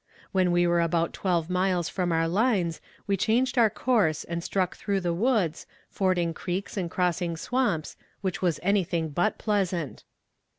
When we were about twelve miles from our lines we changed our course and struck through the woods, fording creeks and crossing swamps, which was anything but pleasant.